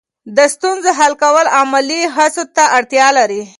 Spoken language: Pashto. د ستونزو حل کول عملي هڅو ته اړتیا لري.